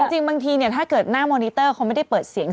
จริงบางทีเนี่ยถ้าเกิดหน้ามอนิเตอร์เขาไม่ได้เปิดเสียง